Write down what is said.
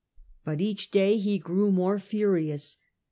But each day he grew more furious.